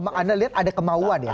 anda lihat ada kemauan ya